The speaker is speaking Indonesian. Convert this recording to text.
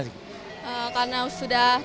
saya merasa senang